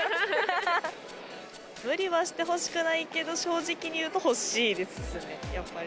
無理はしてほしくないけど、正直に言うと欲しいですね、やっぱり。